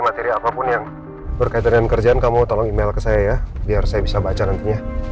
materi apapun yang berkaitan dengan kerjaan kamu tolong email ke saya ya biar saya bisa baca nantinya